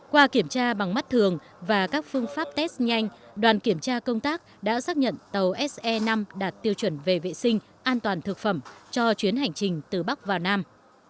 qua kiểm tra bằng mắt thường và các phương pháp test nhanh đoàn kiểm tra công tác đã xác nhận tàu se năm đạt tiêu chuẩn về vệ sinh an toàn thực phẩm cho chuyến hành trình từ bắc vào nam